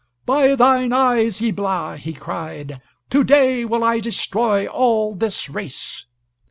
"By thine eyes, Ibla," he cried, "to day will I destroy all this race."